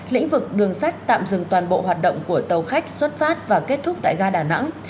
lĩnh vực đường sắt tạm dừng toàn bộ hoạt động của tàu khách xuất phát và kết thúc tại ga đà nẵng